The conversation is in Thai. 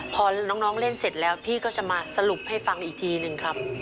พอน้องเล่นเสร็จแล้วพี่ก็จะมาสรุปให้ฟังอีกทีหนึ่งครับ